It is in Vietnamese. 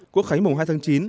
quốc khánh mùng hai tháng chín